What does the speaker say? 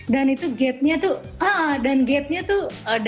dan itu gate nya tuh dan gate nya tuh the era sih